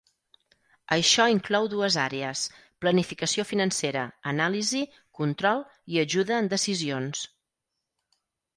Això inclou dues àrees: planificació financera, anàlisi, control i ajuda en decisions.